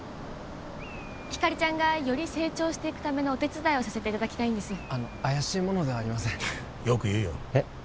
ひかりちゃんがより成長していくためのお手伝いをさせていただきたいんですあの怪しい者ではありませんよく言うよえっ？